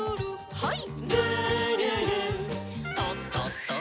はい。